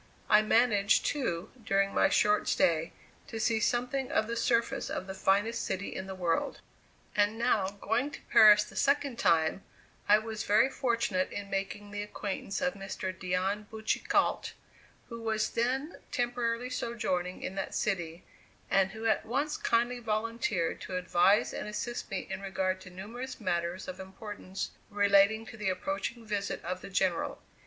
I managed, too, during my short stay, to see something of the surface of the finest city in the world. And now, going to Paris the second time, I was very fortunate in making the acquaintance of Mr. Dion Boucicault, who was then temporarily sojourning in that city, and who at once kindly volunteered to advise and assist me in regard to numerous matters of importance relating to the approaching visit of the General.